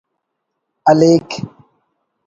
ہلیک